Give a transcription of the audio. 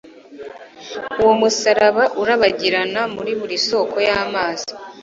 Uwo musaraba urabagiranira muri buri soko y'amazi.